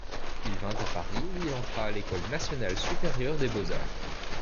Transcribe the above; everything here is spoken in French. Il vint à Paris où il entra à l'École nationale supérieure des beaux-arts.